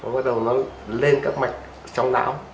nó bắt đầu nó lên các mạch trong não